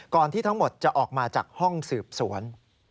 ที่ทั้งหมดจะออกมาจากห้องสืบสวน